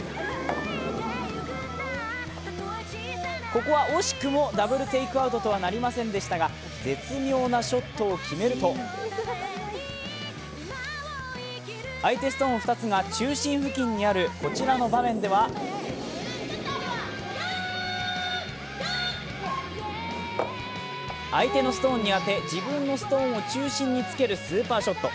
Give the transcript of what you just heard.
ここは惜しくもダブルテイクアウトとはなりませんでしたが、絶妙なショットを決めると相手ストーン２つが、中心付近にあるこちらの場面では相手のストーンに当て自分のストーンを中心につけるスーパーショット。